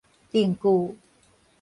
重句